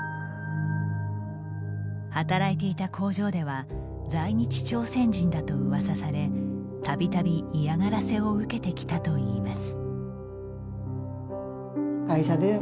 働いていた工場では在日朝鮮人だとうわさされたびたび嫌がらせを受けてきたといいます。